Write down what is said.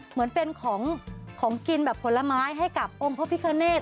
เหมือนเป็นของกินแบบผลไม้ให้กับองค์พระพิคเนธ